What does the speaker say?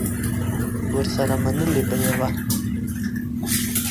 ورسره منلې به یې وه